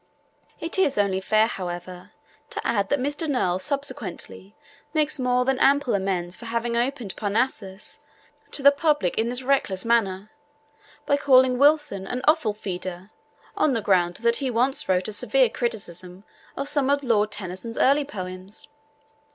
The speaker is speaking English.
It is only fair, however, to add that Mr. Noel subsequently makes more than ample amends for having opened Parnassus to the public in this reckless manner, by calling Wilson an 'offal feeder,' on the ground that he once wrote a severe criticism of some of Lord Tennyson's early poems.